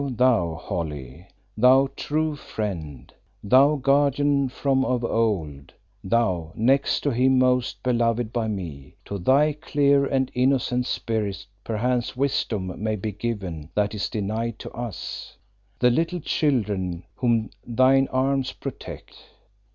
thou, Holly, thou true friend, thou guardian from of old, thou, next to him most beloved by me, to thy clear and innocent spirit perchance wisdom may be given that is denied to us, the little children whom thine arms protect.